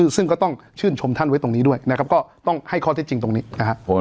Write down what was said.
ซึ่งก็ต้องชื่นชมท่านไว้ตรงนี้ด้วยนะครับก็ต้องให้ข้อเท็จจริงตรงนี้นะครับ